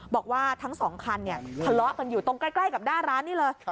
บอกว่าทั้งสองคันเนี่ยทะเลาะกันอยู่ตรงใกล้กับหน้าร้านนี่เลย